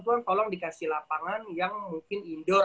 tuhan tolong dikasih lapangan yang mungkin indoor